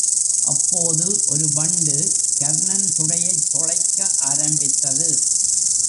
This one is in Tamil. அப்போது ஒரு வண்டு கர்ணன் துடையைத் தொளைக்க ஆரம்பித்தது.